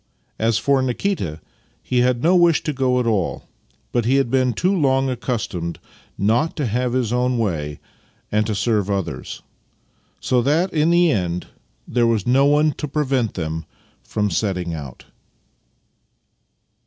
As for Nikita, he had no wish to go at all, but he had been too long accustomed not to have his own way and to serve others; so that in the end there was no one to prevent them from setting out.